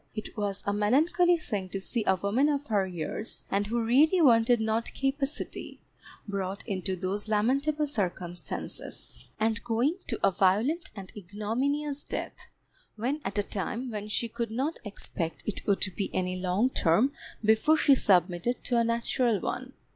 It was a melancholy thing to see a woman of her years, and who really wanted not capacity, brought into those lamentable circumstances, and going to a violent and ignominious death, when at a time when she could not expect it would be any long term before she submitted to a natural one.